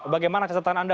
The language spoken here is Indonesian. bagaimana kesetan anda